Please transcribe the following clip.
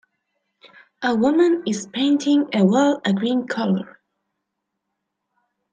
A woman is painting a wall a green color.